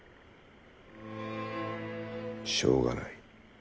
しょうがない？